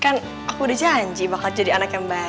kan aku udah janji bakal jadi anak yang baru